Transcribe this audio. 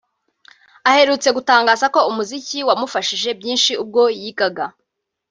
Aherutse gutangaza ko umuziki wamufashije byinshi ubwo yigaga